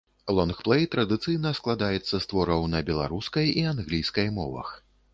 Лонгплэй традыцыйна складаецца з твораў на беларускай і англійскай мовах.